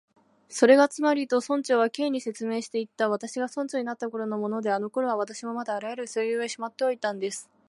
「それがつまり」と、村長は Ｋ に説明していった「私が村長になったころのもので、あのころは私もまだあらゆる書類をしまっておいたんです」